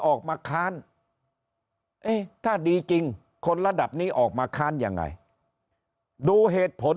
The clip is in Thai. ออกมาค้านเอ๊ะถ้าดีจริงคนระดับนี้ออกมาค้านยังไงดูเหตุผล